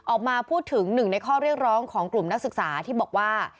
ออกมาพูดถึงหนึ่งในข้อเรียกร้องของกลุ่มนักศึกษาที่บอกว่า